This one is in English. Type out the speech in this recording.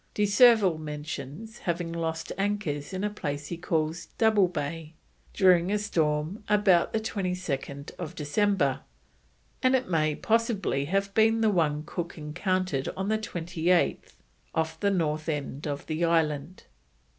De Surville mentions having lost anchors in a place he calls Double Bay, during a storm "ABOUT 22nd December," and it may possibly have been the one Cook encountered on the 28th off the north end of the island.